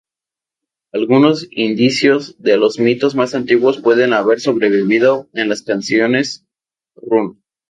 Algunos indicios de los mitos más antiguos pueden haber sobrevivido en las canciones-runo.